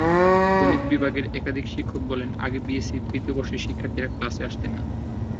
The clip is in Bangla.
গণিত বিভাগের একাধিক শিক্ষক বললেন, আগে বিএসসি তৃতীয় বর্ষের শিক্ষার্থীরা ক্লাসে আসতেন না।